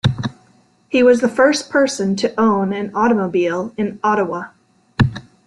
He was the first person to own an automobile in Ottawa.